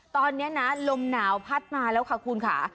ตอนนี้นะลมหนาวพัดมาแล้วค่ะคุณค่ะ